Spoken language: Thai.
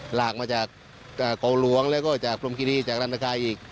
หลากมาจากกองหลวงแล้วก็จากพรมคิรีจากันคายอีก